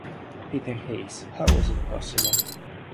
Peter Hayes, "How Was It Possible?